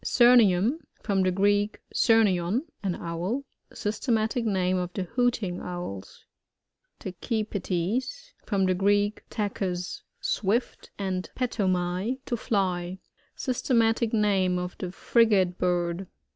Syrnium. — From the Greek, surnton, an owl. Systematic name of the Hooting Owls. TACHYPETEs. From the Greek, taehus swift, and petomai^ to fly. Syate. matic name of the Frigate bird.